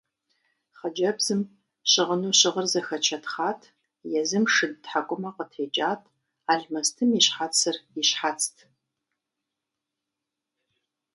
Хъыджэбзым щыгъыну щыгъыр зэхэчэтхъат, езым шыд тхьэкӀумэ къытекӀат, алмэстым и щхьэцыр и щхьэцт.